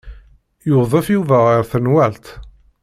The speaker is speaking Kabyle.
Yudef Yuba ɣer tenwalt.